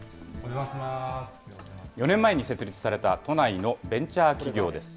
４年前に設立された都内のベンチャー企業です。